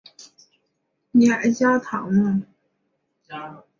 第八岸巡队